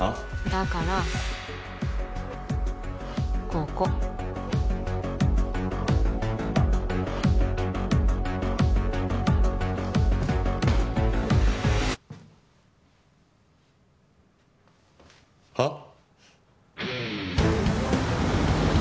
だからここはっ？